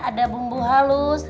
ada bumbu halus